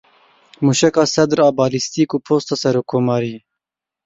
Mûşeka Sedr a balîstîk û posta serokkomariyê!